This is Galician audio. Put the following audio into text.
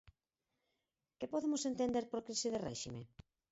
Que podemos entender por crise de réxime?